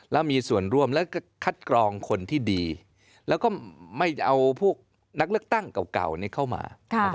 แล้วมีส่วนร่วมและคัดกรองคนที่ดีแล้วก็ไม่เอาพวกนักเลือกตั้งเก่าเข้ามา